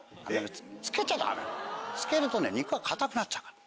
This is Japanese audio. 漬けちゃダメ漬けるとね肉が硬くなっちゃうから。